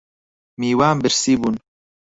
میوان برسی بوون